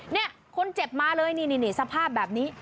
นี่คนเจ็บมาเลยนี่สภาพแบบนี้